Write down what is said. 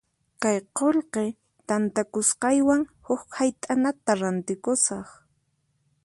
Kay qullqi tantakusqaywan huk hayt'anata rantikusaq.